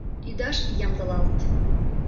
ӰДАШ ЯМДЫЛАЛТ